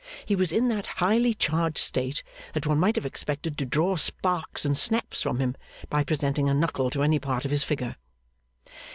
He was in that highly charged state that one might have expected to draw sparks and snaps from him by presenting a knuckle to any part of his figure.